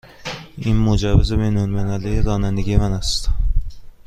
این مجوز بین المللی رانندگی من است.